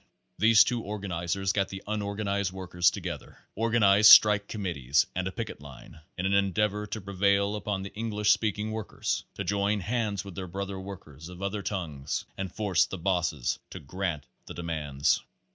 These two organizers got the unorganized workers together, organized strike committees and a picket line, in an endeavor to prevail upon the English speaking workers to join hands with their brother workers of other tongues and force the bosses to grant the de mands.